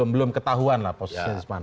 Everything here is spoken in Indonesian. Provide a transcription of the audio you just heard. belum ketahuan lah posisi usman